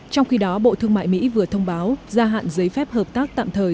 trong khi đó bộ thương mại mỹ vừa thông báo gia hạn giấy phép hợp tác tạm thời